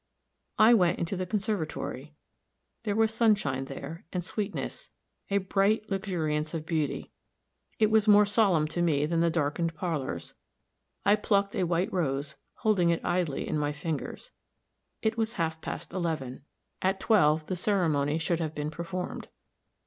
I went into the conservatory; there was sunshine there, and sweetness a bright luxuriance of beauty. It was more solemn to me than the darkened parlors. I plucked a white rose, holding it idly in my fingers. It was half past eleven at twelve the ceremony should have been performed.